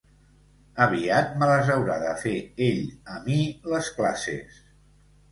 Aviat me les haurà de fer ell a mi, les classes.